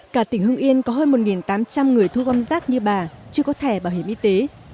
cả tỉnh hưng yên có hơn một tám trăm linh người thu gom rác như bà chưa có thẻ bảo hiểm y tế